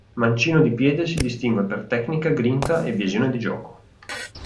Mancino di piede, si distingue per tecnica, grinta e visione di gioco.